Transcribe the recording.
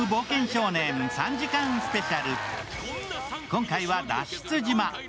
今回は脱出島。